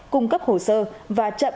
cung cấp hồ sơ và chậm